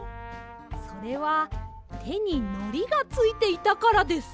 それはてにのりがついていたからです。